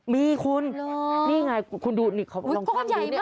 มีคุณนี่ไงคุณดูลองค้างดู